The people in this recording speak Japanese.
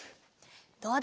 どうだ？